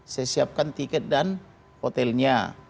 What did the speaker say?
saya siapkan tiket dan hotelnya